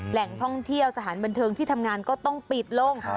แหล่งท่องเที่ยวสถานบันเทิงที่ทำงานก็ต้องปิดลง